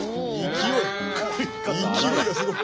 勢いがすごい！